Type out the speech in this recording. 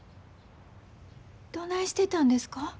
どないしてたんですか？